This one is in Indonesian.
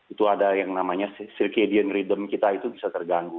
itu ada yang namanya circadian ridom kita itu bisa terganggu